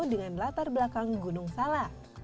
dengan latar belakang gunung sala